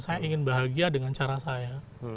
saya ingin bahagia dengan cara saya